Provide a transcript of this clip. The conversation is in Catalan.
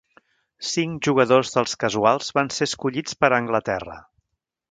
Cinc jugadors dels Casuals van ser escollits per a Anglaterra.